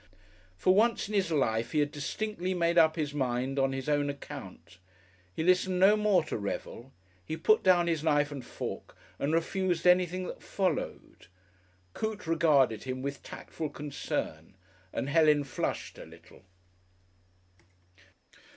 For once in his life he had distinctly made up his mind on his own account. He listened no more to Revel. He put down his knife and fork and refused anything that followed. Coote regarded him with tactful concern and Helen flushed a little.